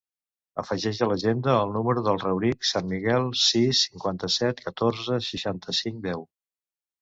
Afegeix a l'agenda el número del Rauric San Miguel: sis, cinquanta-set, catorze, setanta-cinc, deu.